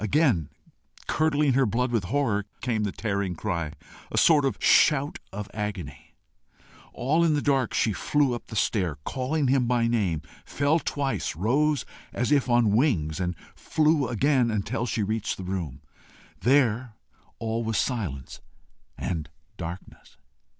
Again, curdling her blood with horror, came the tearing cry, a sort of shout of agony. All in the dark, she flew up the stair, calling him by name, fell twice, rose as if on wings, and flew again until she reached the room. There all was silence and darkness.